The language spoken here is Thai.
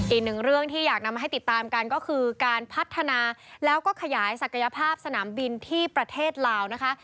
อีกหนึ่งเรื่องที่อยากนำมาให้ติดตามกันก็คือการพัฒนาแล้วก็ขยายศักยภาพสนามบินที่ประเทศลาวนะคะ